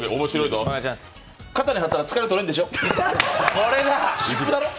肩に貼ったら疲れとれんでしょ、湿布。